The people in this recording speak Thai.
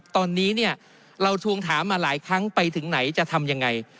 ตอนนี้เนี่ยเราทวงถามมาหลายครั้งไปถึงไหนจะทำยังไง